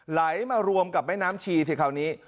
ไหลมารวมกับแม่น้ำชีสิคราวนี้